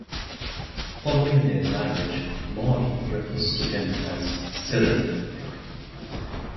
Following their marriage Maud refers to him as 'Cyril'.